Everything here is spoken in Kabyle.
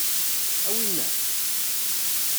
A winna!